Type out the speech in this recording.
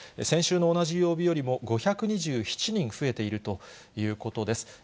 先週の同じ曜日よりも５２７人増えているということです。